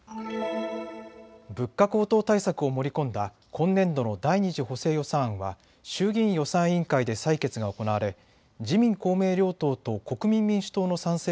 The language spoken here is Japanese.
物価高騰対策を盛り込んだ今年度の第２次補正予算案は衆議院予算委員会で採決が行われ自民公明両党と国民民主党の賛成